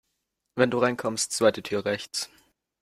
Wenn du reinkommst, zweite Tür rechts.